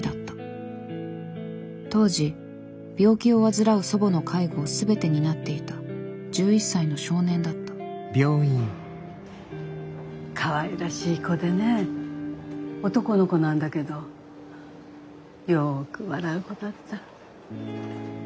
当時病気を患う祖母の介護をすべて担っていた１１歳の少年だったかわいらしい子でね男の子なんだけどよく笑う子だった。